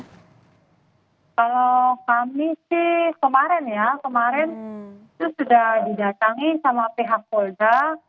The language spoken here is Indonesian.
kalau kami sih kemarin ya kemarin itu sudah didatangi sama pihak polda